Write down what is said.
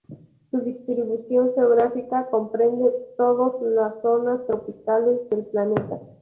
Su distribución geográfica comprende todos las zonas tropicales del planeta.